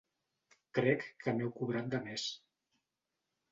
Crec que m'heu cobrat de més.